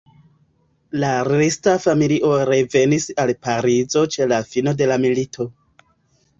La resta familio revenis al Parizo ĉe la fino de la milito.